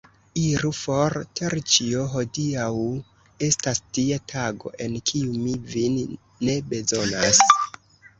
Iru for, Terĉjo, hodiaŭ estas tia tago, en kiu mi vin ne bezonas.